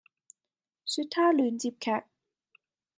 說他亂接劇